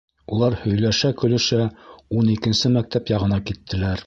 Улар һөйләшә-көлөшә ун икенсе мәктәп яғына киттеләр.